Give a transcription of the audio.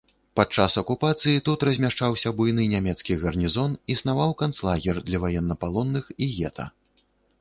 Падчас акупацыі тут размяшчаўся буйны нямецкі гарнізон, існаваў канцлагер для ваеннапалонных і гета.